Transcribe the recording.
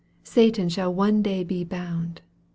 Satan shall one day be bound.